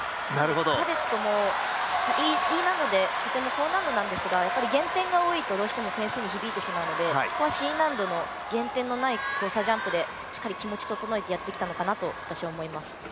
カデットもＥ難度でとても高難度なんですが、やはり減点が多いとどうしても点数に響いてしまうのでここはＣ難度の減点のない交差ジャンプでしっかり気持ち整えてやってきたのかなと思います。